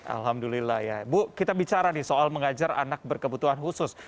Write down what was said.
alhamdulillah ya ibu kita bicara nih soal mengajar anak berkebutuhan khusus